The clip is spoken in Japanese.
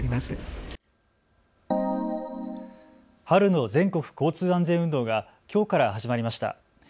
春の全国交通安全運動がきょうから始まりました。